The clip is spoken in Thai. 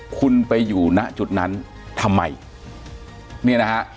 คุณไปอยู่ณจุดนั้นทำไมเนี่ยนะฮะ